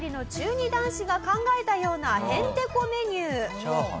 ２男子が考えたようなヘンテコメニュー。